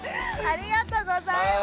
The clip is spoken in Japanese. ありがとうございます。